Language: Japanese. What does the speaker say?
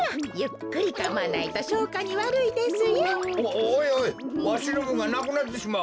おいおいわしのぶんがなくなってしまう。